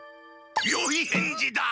よい返事だ！